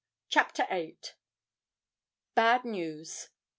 CHAPTER VIII. BAD NEWS.